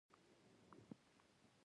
• بې صبري د انسان ضعف دی.